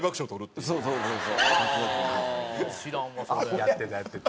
やってたやってた。